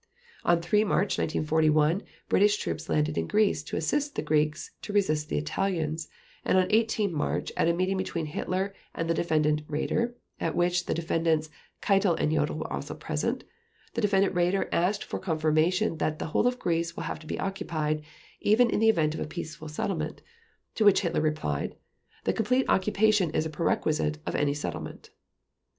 On 3 March 1941, British troops landed in Greece to assist the Greeks to resist the Italians; and on 18 March, at a meeting between Hitler and the Defendant Raeder, at which the Defendants Keitel and Jodl were also present, the Defendant Raeder asked for confirmation that the "whole of Greece will have to be occupied, even in the event of a peaceful settlement," to which Hitler replied, "The complete occupation is a prerequisite of any settlement."